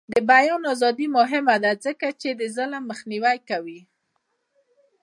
د بیان ازادي مهمه ده ځکه چې ظلم مخنیوی کوي.